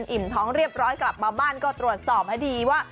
อิ่มท้องเรียบร้อยกลับมาบ้านก็ตรวจสอบให้ดีว่า